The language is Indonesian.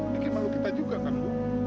bikin malu kita juga kan bu